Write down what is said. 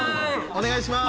お願いします。